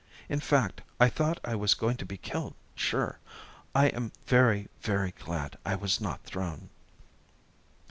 In fact, I thought I was going to be killed, sure. I am very, very glad I was not thrown."